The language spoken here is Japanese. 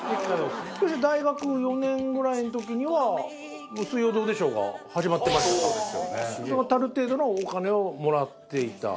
そして大学４年ぐらいの時にはもう『水曜どうでしょう』が始まってましたからある程度のお金をもらっていた。